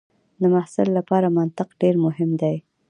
د محصل لپاره منطق ډېر مهم دی.